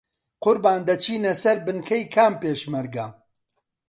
قوربان دەچینە سەر بنکەی کام پێشمەرگە؟